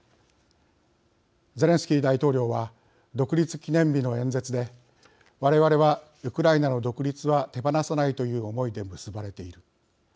ゼレンスキー大統領は独立記念日の演説で我々は、ウクライナの独立は手放さないという思いで結ばれている。